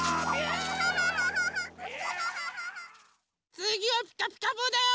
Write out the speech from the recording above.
つぎは「ピカピカブ！」だよ。